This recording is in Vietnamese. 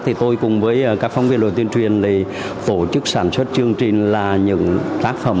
thì tôi cùng với các phóng viên đội tuyên truyền để tổ chức sản xuất chương trình là những tác phẩm